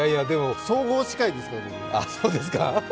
総合司会ですから、僕。